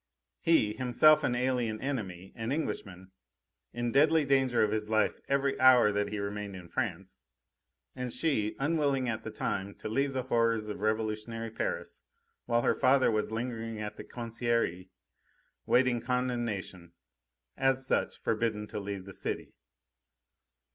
He, himself an alien enemy, an Englishman, in deadly danger of his life every hour that he remained in France; and she, unwilling at the time to leave the horrors of revolutionary Paris while her father was lingering at the Conciergerie awaiting condemnation, as such forbidden to leave the city.